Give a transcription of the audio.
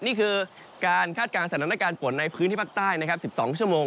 นี่คือการคาดการณ์สถานการณ์ฝนในพื้นที่ภาคใต้นะครับ๑๒ชั่วโมง